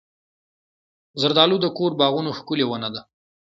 زردالو د کور باغونو ښکلې ونه ده.